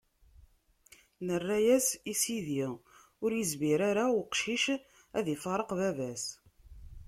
Nerra-as i sidi: Ur izmir ara uqcic ad ifareq baba-s.